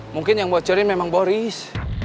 mungkin yang bocorin memang boris